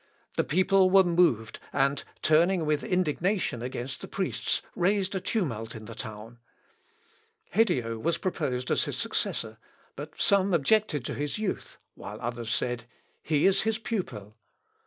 The people were moved, and, turning with indignation against the priests, raised a tumult in the town. Hedio was proposed as his successor, but some objected to his youth, while others said, "He is his pupil."